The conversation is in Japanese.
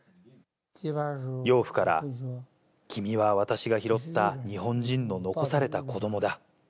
養父から、君は私が拾った日本人の残された子どもだ。